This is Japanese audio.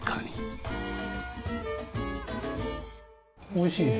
おいしいね。